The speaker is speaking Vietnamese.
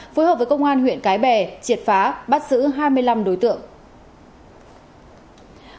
phối hợp với công an huyện cái bè triệt phá bắt giữ hai mươi năm đối tượng